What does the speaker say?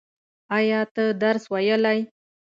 ایا ته درس ویلی؟